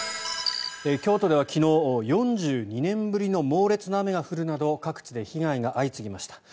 京都では昨日４２年ぶりの猛烈な雨が降るなど各地で被害が相次ぎました。